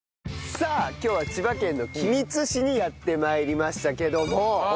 さあ今日は千葉県の君津市にやって参りましたけども。